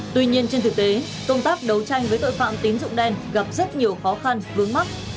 tuy nhiên trên thực tế công tác đấu tranh với tội phạm tín dụng đen gặp rất nhiều khó khăn vướng mắt